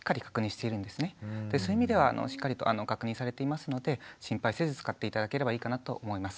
そういう意味ではしっかりと確認されていますので心配せず使って頂ければいいかなと思います。